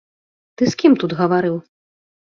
Ты з кім тут гаварыў?